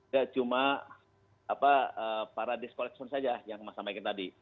tidak cuma paradis koleksi saja yang mas sampaikan tadi